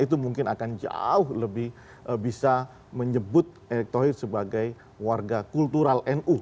itu mungkin akan jauh lebih bisa menyebut erick thohir sebagai warga kultural nu